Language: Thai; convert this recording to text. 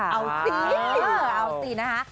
เอาสิเอาสินะคะ